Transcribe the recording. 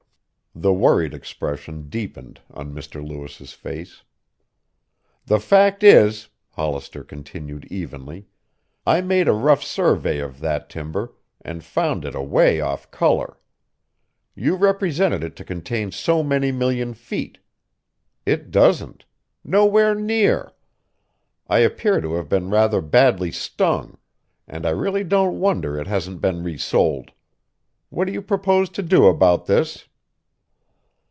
The worried expression deepened on Mr. Lewis' face. "The fact is," Hollister continued evenly, "I made a rough survey of that timber, and found it away off color. You represented it to contain so many million feet. It doesn't. Nowhere near. I appear to have been rather badly stung, and I really don't wonder it hasn't been resold. What do you propose to do about this?"